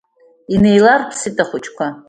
Инеиларԥсеит ахәыҷқәа.